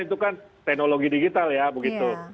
itu kan teknologi digital ya begitu